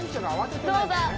どうだ？